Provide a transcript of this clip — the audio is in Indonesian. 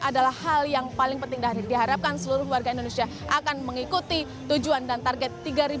ini adalah hal yang paling penting dari diharapkan seluruh warga indonesia akan mengikuti tujuan dan target dua ribu tiga puluh